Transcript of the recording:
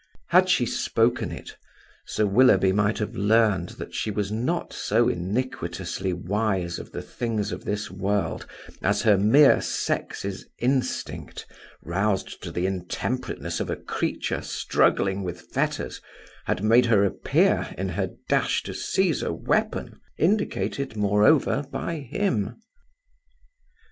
Had she spoken it, Sir Willoughby might have learned that she was not so iniquitously wise of the things of this world as her mere sex's instinct, roused to the intemperateness of a creature struggling with fetters, had made her appear in her dash to seize a weapon, indicated moreover by him.